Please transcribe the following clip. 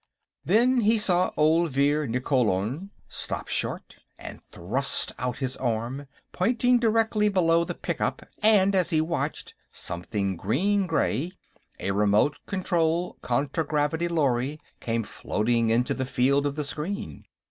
Then he saw Olvir Nikkolon stop short and thrust out his arm, pointing directly below the pickup, and as he watched, something green gray, a remote control contragravity lorry, came floating into the field of the screen.